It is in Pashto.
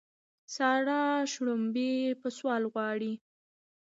سارا شړومبې په سوال غواړي.